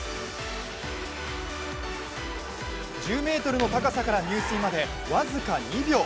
１０ｍの高さから入水まで、僅か２秒。